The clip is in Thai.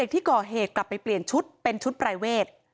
ที่ก่อเหตุกลับไปเปลี่ยนชุดเป็นชุดปรายเวท